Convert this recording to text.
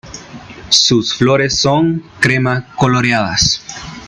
Sus flores son crema coloreadas.